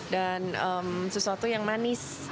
dan sesuatu yang manis